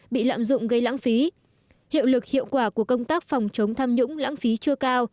bị lạm dụng gây lãng phí hiệu lực hiệu quả của công tác phòng chống tham nhũng lãng phí chưa cao